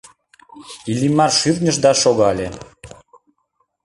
Иллимар шӱртньыш да шогале.